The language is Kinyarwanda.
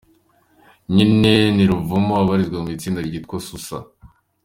Nyina ni Ruvumu , abarizwa mu itsinda ryitwa Susa.